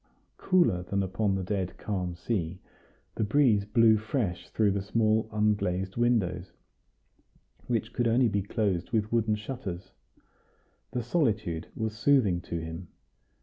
Cooler than upon the dead calm sea, the breeze blew fresh through the small unglazed windows, which could only be closed with wooden shutters. The solitude was soothing to him.